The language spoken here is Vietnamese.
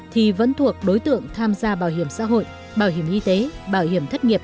thì vẫn thuộc đối tượng tham gia bảo hiểm xã hội bảo hiểm y tế bảo hiểm thất nghiệp